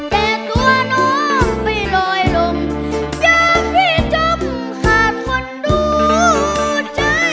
แต่ตัวน้องไม่ลอยลมอย่างที่จมขาดคนดูใจ